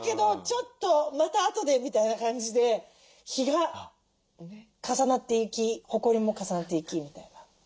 ちょっとまたあとで」みたいな感じで日が重なっていきほこりも重なっていきみたいな。